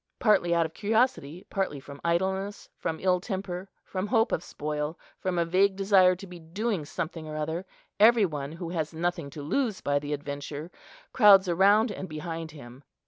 Partly out of curiosity, partly from idleness, from ill temper, from hope of spoil, from a vague desire to be doing something or other, every one who has nothing to lose by the adventure crowds around and behind him.